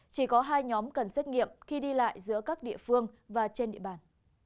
chỉ có hai nhóm cần xét nghiệm khi đi lại giữa các địa phương và trên địa bàn